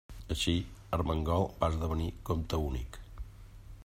Així, Ermengol va esdevenir comte únic.